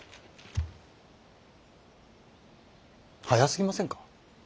早すぎませんか。